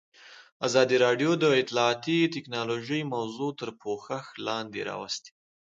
ازادي راډیو د اطلاعاتی تکنالوژي موضوع تر پوښښ لاندې راوستې.